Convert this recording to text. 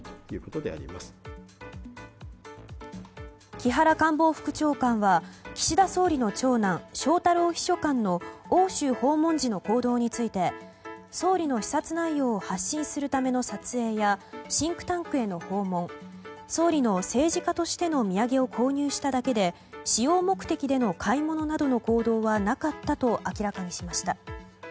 木原官房副長官は岸田総理の長男・翔太郎秘書官の欧州訪問時の行動について総理の視察内容を発信するための撮影やシンクタンクへの訪問総理の政治家としての土産を購入しただけで私用目的での買い物などの行動はなかったと明らかにしました。